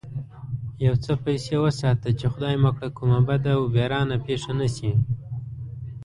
يو څه پيسې وساته چې خدای مکړه کومه بده و بېرانه پېښه نه شي.